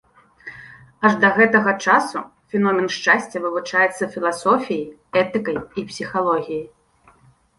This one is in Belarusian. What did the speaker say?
Аж да гэтага часу феномен шчасця вывучаецца філасофіяй, этыкай і псіхалогіяй.